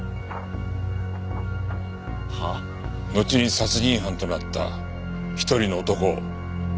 のちに殺人犯となった一人の男を。